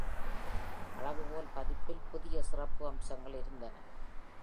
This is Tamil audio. அளவுகோல் பதிப்பில் புதிய சிறப்பு அம்சங்கள் இருந்தன.